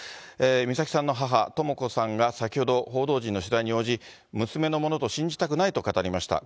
美咲さんの母、とも子さんが先ほど、報道陣の取材に応じ、娘のものと信じたくないと語りました。